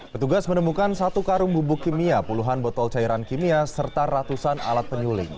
petugas menemukan satu karung bubuk kimia puluhan botol cairan kimia serta ratusan alat penyuling